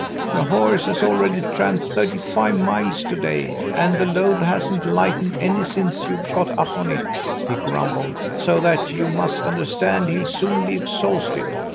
"'The horse has already tramped thirty five miles to day, and the load hasn't lightened any since you got up on it!' he grumbled, 'so that you must understand he'll soon be exhausted.'